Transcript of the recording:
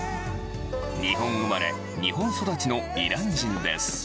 日本生まれ、日本育ちのイラン人です。